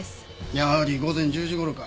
やはり午前１０時頃か。